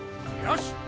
よし！